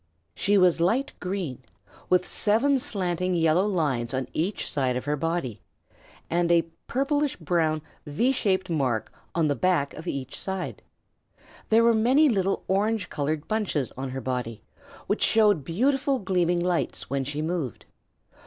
She was light green, with seven slanting yellow lines on each side of her body, and a purplish brown V shaped mark on the back part of each side. There were many little orange colored bunches on her body, which showed beautiful gleaming lights when she moved.